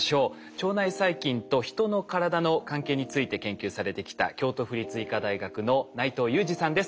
腸内細菌と人の体の関係について研究されてきた京都府立医科大学の内藤裕二さんです。